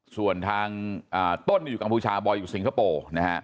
ส่วนทางต้นอยู่กัมพูชาบอยอยู่สิงคโปร์นะฮะ